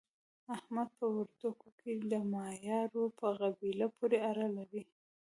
احمد په وردګو کې د مایارو په قبیله پورې اړه لري.